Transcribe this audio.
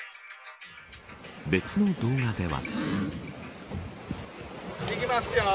別の動画では。